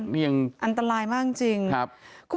นี่แหละประมาณนี้ครับ